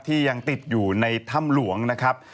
ยังติดอยู่ในถ้ำหลวงนะครับ